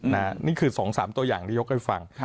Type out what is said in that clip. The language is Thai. นี่คือ๒๓ตัวอย่างที่ยกให้ฟัง